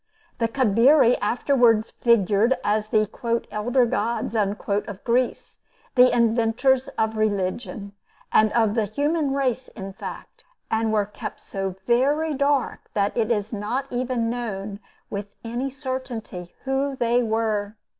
The Cabiri afterward figured as the "elder gods" of Greece, the inventors of religion, and of the human race in fact, and were kept so very dark that it is not even known, with any certainty, who they were.